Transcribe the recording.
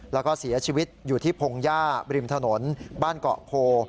แล้วก็เสียชีวิตอยู่ที่พงหญ้าบริมถนนบ้านเกาะโพ